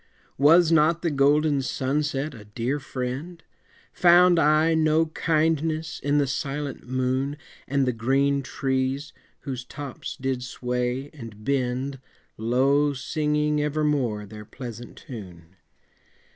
Was not the golden sunset a dear friend? Found I no kindness in the silent moon, And the green trees, whose tops did sway and bend, Low singing evermore their pleasant tune?